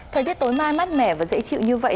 thời tiết tối mai mát mẻ và dễ chịu như vậy